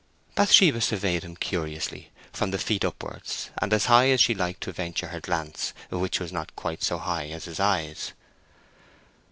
Bathsheba surveyed him curiously, from the feet upward, as high as she liked to venture her glance, which was not quite so high as his eyes.